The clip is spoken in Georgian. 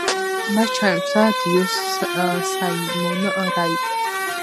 მას ჩაენაცვლა დიოს საიმონ რაიტი.